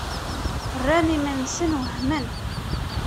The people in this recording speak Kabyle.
Rran iman-nsen wehmen.